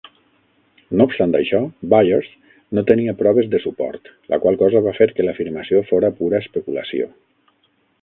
No obstant això, Byers no tenia proves de suport, la qual cosa va fer que l'afirmació fora pura especulació.